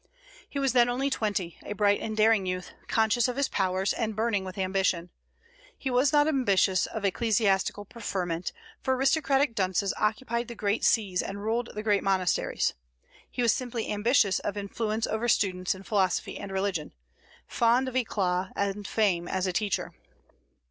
He was then only twenty, a bright and daring youth, conscious of his powers, and burning with ambition. He was not ambitious of ecclesiastical preferment, for aristocratic dunces occupied the great sees and ruled the great monasteries. He was simply ambitious of influence over students in philosophy and religion, fond of éclat and fame as a teacher.